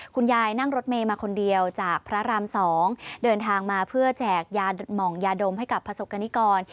คุณยายนั่งรถเมมาคนเดียวจากพระรามสองเดินทางมาเพื่อแจกยาหมองยาดมให้กับผสกกณิกร